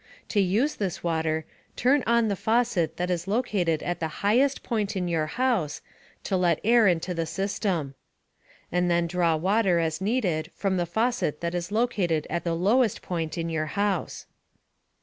To use this water, turn on the faucet that is located at the highest point in your house, to let air into the system; and then draw water, as needed, from the faucet that is located at the lowest point in your house.